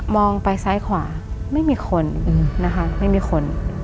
องไปซ้ายขวาไม่มีคนนะคะไม่มีคน